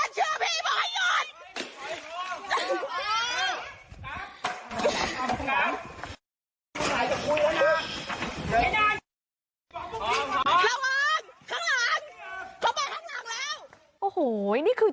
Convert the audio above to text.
เชื่อพี่ไม่ให้หยุด